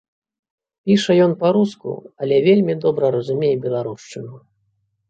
Піша ён па-руску, але вельмі добра разумее беларушчыну.